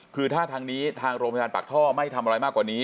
คือถ้าทางนี้ทางโรงพยาบาลปากท่อไม่ทำอะไรมากกว่านี้